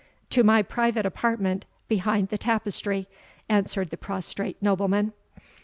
"To my private apartment behind the tapestry," answered the prostrate nobleman.